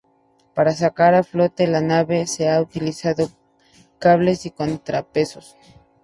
Para sacar a flote la nave, se han utilizado cables y contrapesos.